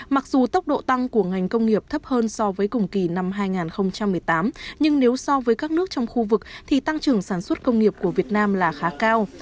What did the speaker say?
mặc dù tốc độ tăng của ngành công nghiệp thấp hơn so với cùng kỳ năm hai nghìn một mươi tám nhưng nếu so với các nước trong khu vực thì tăng trưởng sản xuất công nghiệp của việt nam là khá cao